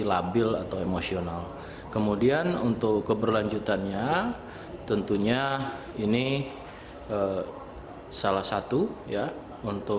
labil atau emosional kemudian untuk keberlanjutannya tentunya ini salah satu ya untuk